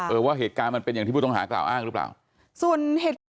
ว่าเหตุการณ์มันเป็นอย่างที่ผู้ต้องหากล่าวอ้างหรือเปล่าส่วนเหตุการณ์